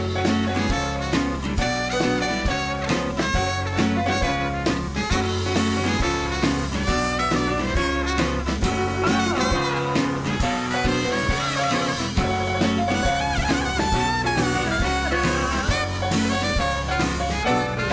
ใส่ไปเลยเดี๋ยวไปรอดทานนะได้ค่ะโอเคค่ะ